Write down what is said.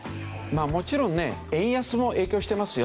もちろんね円安も影響してますよ。